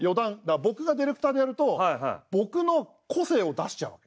僕がディレクターでやると僕の個性を出しちゃうわけ。